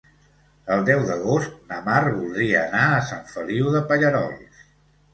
El deu d'agost na Mar voldria anar a Sant Feliu de Pallerols.